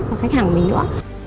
và khách hàng của mình nữa